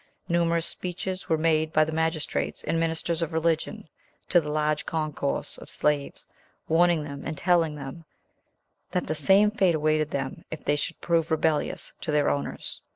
Numerous speeches were made by the magistrates and ministers of religion to the large concourse of slaves, warning them, and telling them that the same fate awaited them, if they should prove rebellious to their owners.